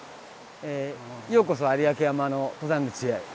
ようこそ有明山の登山口へ。